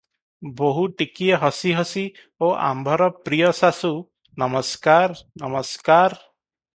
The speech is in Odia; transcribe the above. ବୋହୁ ଟିକିଏ ହସି ହସି 'ଓ ଆମ୍ଭର ପ୍ରିୟ ଶାଶୁ! ନମସ୍କାର -ନମସ୍କାର ।